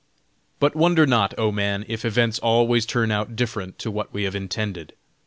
But wonder not, oh man, if events always turn out different to what we have intended.